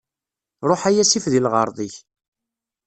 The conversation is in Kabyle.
Ṛuḥ a yasif di lɣerḍ-ik.